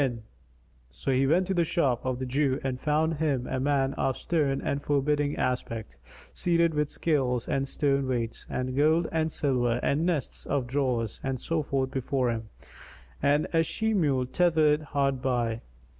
[FN#251] So he went to the shop of the Jew and found him a man of stern and forbidding aspect, seated with scales and stone weights and gold and silver and nests of drawers and so forth before him, and a she mule tethered hard by.